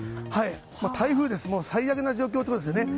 台風最悪な状況ということですね。